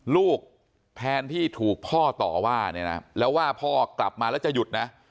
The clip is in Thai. ลูกแทนที่ถูกพ่อต่อว่าเนี่ยนะแล้วว่าพ่อกลับมาแล้วจะหยุดนะ